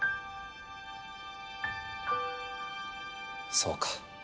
そうか。